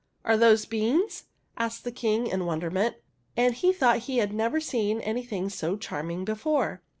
" Are those beans ?" asked the King in wonderment, and he thought he had never seen anything so charming before.